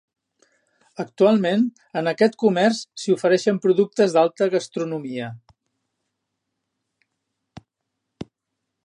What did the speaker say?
Actualment, en aquest comerç s'hi ofereixen productes d'alta gastronomia.